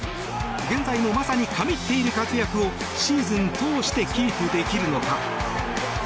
現在も、まさに神っている活躍をシーズン通してキープできるのか。